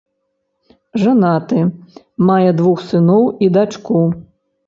Жанаты, мае двух сыноў і дачку.